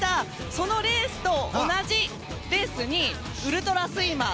そのレースと同じレースにウルトラスイマー